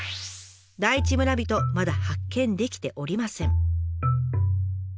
第一村人まだ発見できておりません。